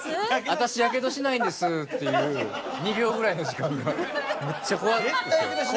「私ヤケドしないんです」っていう２秒ぐらいの時間がむっちゃ怖かったですよ。